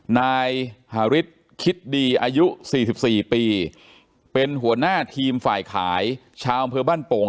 นายฮาริสคิดดีอายุ๔๔ปีเป็นหัวหน้าทีมฝ่ายขายชาวอำเภอบ้านโป่ง